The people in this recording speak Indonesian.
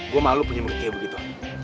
gue malu punya kayak begitu